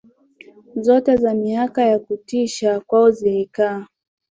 zote za miaka ya kutisha kwao zilikaa